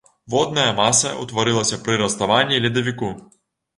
Водная маса ўтварылася пры раставанні ледавіку.